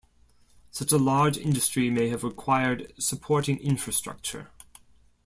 Such a large industry may have required supporting infrastructure.